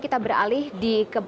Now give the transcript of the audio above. kita beralih di